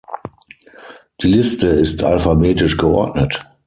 Die Liste ist alphabetisch geordnet.